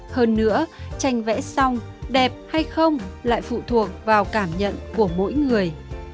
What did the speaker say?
hơn nữa tranh vẽ xong đẹp hay không lại phụ thuộc vào cảm nhận của mỗi người